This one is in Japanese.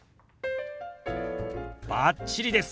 バッチリです。